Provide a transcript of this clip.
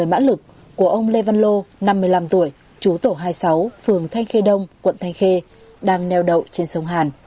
mã lực của ông lê văn lô năm mươi năm tuổi chú tổ hai mươi sáu phường thanh khê đông quận thanh khê đang neo đậu trên sông hàn